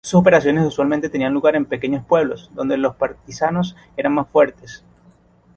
Sus operaciones usualmente tenían lugar en pequeños pueblos, donde los partisanos eran más fuertes.